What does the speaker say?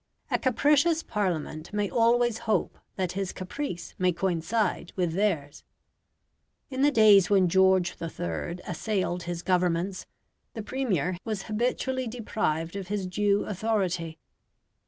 A capricious Parliament may always hope that his caprice may coincide with theirs. In the days when George III. assailed his Governments, the Premier was habitually deprived of his due authority.